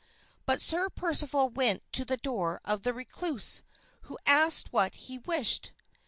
But Sir Percival went to the door of the recluse, who asked what he wished.